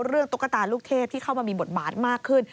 เรื่องตุ๊กตาลูกเทพฯที่เข้ามามีบทมาสมากขึ้น